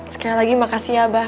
sekali lagi makasih abah